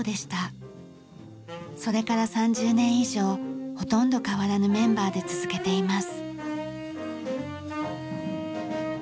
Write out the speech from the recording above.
それから３０年以上ほとんど変わらぬメンバーで続けています。